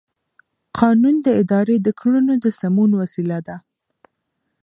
قانون د ادارې د کړنو د سمون وسیله ده.